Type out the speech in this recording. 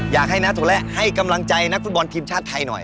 อยากให้น้าโถและให้กำลังใจนักฟุตบอลทีมชาติไทยหน่อย